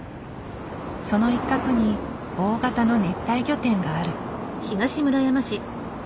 その一角に大型の熱帯魚店がある。